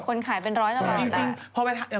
คุณขายเป็นร้อยละร้อยได้